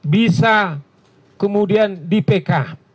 bisa kemudian di pk